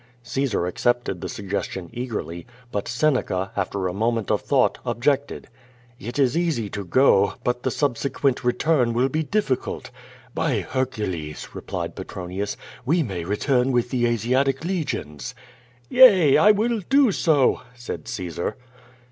Caesar accepted the suggestion eagerly, but Seneca, after a moment of thought, objected. ^'It is easy to go, but the subsequent return will be dif ficult.^' "By Hercules!" replied Petronius, "we may return with the Asiatic legions.'^ "Yea, I will do so," said Caesar.